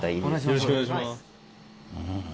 よろしくお願いします。